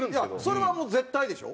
それはもう絶対でしょ？